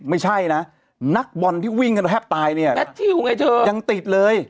ไม่ใช่นะนักบอลที่วิ่งกันแทบตายเนี่ยแมททิวไงเธอยังติดเลย